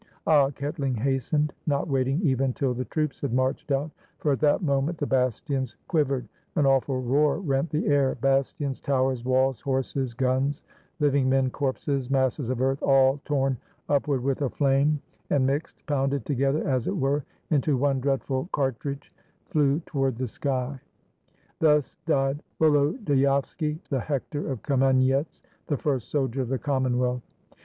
Ah! KetHng hastened, not waiting even till the troops had marched out; for at that moment the bastions quiv ered, an awful roar rent the air, bastions, towers, walls, horses, guns, Hving men, corpses, masses of earth, all torn upward with a flame, and mixed, pounded together, as it were, into one dreadful cartridge, flew toward the sky. Thus died Volodyovski, the Hector of Kamenyetz, the first soldier of the Commonwealth.